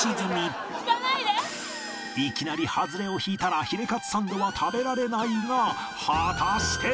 いきなりハズレを引いたらヒレカツサンドは食べられないが果たして